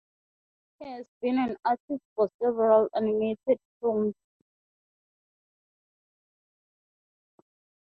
He has been an artist for several animated films.